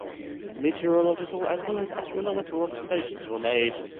Meteorological as well as astronomical observations were made.